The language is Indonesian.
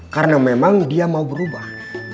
karena memang dia mau berubah